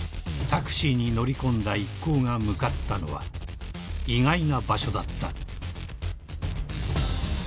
［タクシーに乗り込んだ一行が向かったのは意外な場所だった］